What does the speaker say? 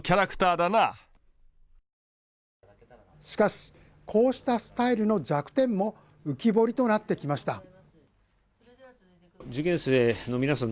しかし、こうしたスタイルの弱点も浮き彫りとなってきました。